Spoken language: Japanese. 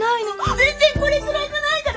全然これくらいじゃないから。